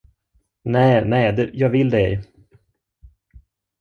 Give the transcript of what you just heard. Nej, nej, jag vill det ej.